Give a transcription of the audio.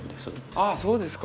あそうですか。